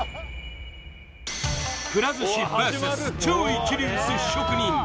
くら寿司ＶＳ超一流寿司職人